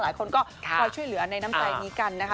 หลายคนก็คอยช่วยเหลือในน้ำใจนี้กันนะคะ